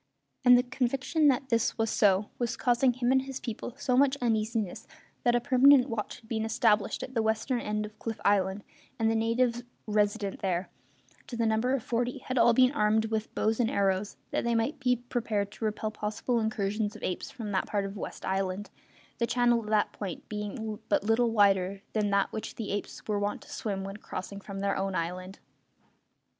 And the conviction that this was so was causing him and his people so much uneasiness that a permanent watch had been established at the western end of Cliff Island, and the natives resident there, to the number of forty, had all been armed with bows and arrows, that they might be prepared to repel possible incursions of apes from that part of West Island, the channel at that point being but little wider than that which the apes were wont to swim when crossing from their own island.